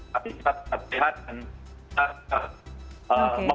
tapi tetap sehat dan